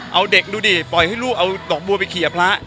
เอาเด็กดูดิปล่อยให้ลูกเอาดอกบัวไปเคลียร์พระ